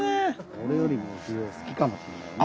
俺よりもすごい好きかもしれないね。